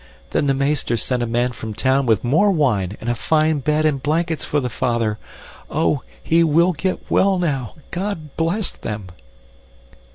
Then the meester sent a man from town with more wine and a fine bed and blankets for the father. Oh! he will get well now. God bless them!"